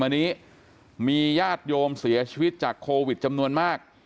วันนี้มีญาติโยมเสียชีวิตจากโควิดจำนวนมาก